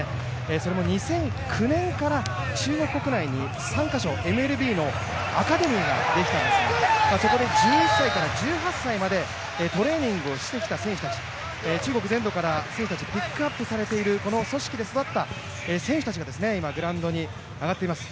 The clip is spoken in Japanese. それも２００９年から中国国内に３か所、ＭＬＢのアカデミーができたんですがそこで１１歳から１８歳までトレーニングをしてきた選手たち、中国全土からピックアップされているこの組織で育った選手たちが今、グラウンドに上っています。